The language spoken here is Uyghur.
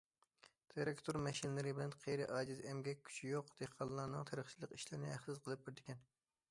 تىراكتور ماشىنىلىرى بىلەن قېرى، ئاجىز، ئەمگەك كۈچى يوق دېھقانلارنىڭ تېرىقچىلىق ئىشلىرىنى ھەقسىز قىلىپ بېرىدىكەن.